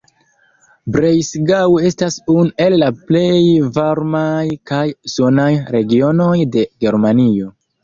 Breisgau estas unu el la plej varmaj kaj sunaj regionoj de Germanio.